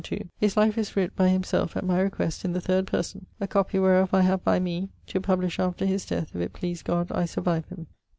2>, his life is writt by him selfe (at my request) in the third person, a copie wherof I have by me, [to publish after his death if it please God I survive him.